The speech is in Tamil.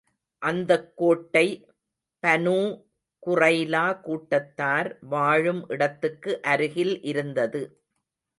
அந்தக் கோட்டை பனூ குறைலா கூட்டத்தார் வாழும் இடத்துக்கு அருகில் இருந்தது.